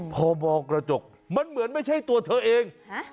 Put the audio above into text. พอมองกระจกมันเหมือนไม่ใช่ตัวเธอเอง